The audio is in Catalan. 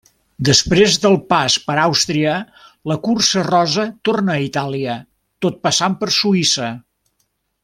Després del pas per Àustria la cursa rosa torna a Itàlia, tot passant per Suïssa.